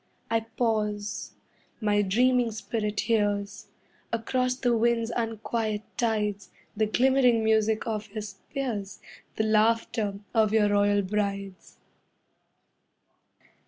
I pause, my dreaming spirit hears, Across the wind's unquiet tides, The glimmering music of your spears, The laughter of your royal brides.